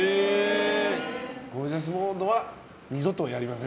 ゴージャスモードは二度とやりません。